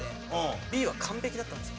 Ｂは完璧だったんですよ。